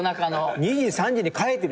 ２時３時に描いてる。